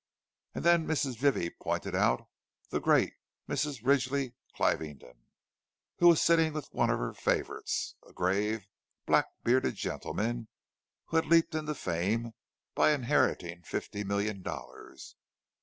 And then Mrs. Vivie pointed out the great Mrs. Ridgley Clieveden, who was sitting with one of her favourites, a grave, black bearded gentleman who had leaped into fame by inheriting fifty million dollars.